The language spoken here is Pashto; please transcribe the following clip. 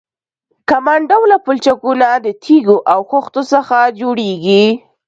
کمان ډوله پلچکونه د تیږو او خښتو څخه جوړیږي